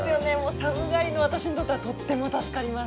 寒がりの私にとってはとっても助かります。